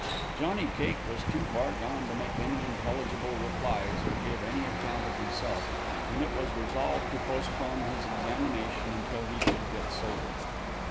Johnny Cake was too far gone to make any intelligible replies, or give any account of himself, and it was resolved to postpone his examination until he should get sober.